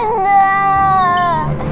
aku mau ke sekolah